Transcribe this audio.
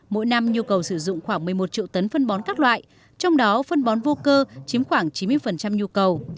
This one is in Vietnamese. mỗi năm nhu cầu sử dụng khoảng một mươi một triệu tấn phân bón các loại trong đó phân bón vô cơ chiếm khoảng chín mươi nhu cầu